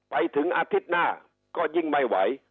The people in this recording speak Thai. ไปถึงอาทิตย์หน้าก็ยิ่งไม่ไหว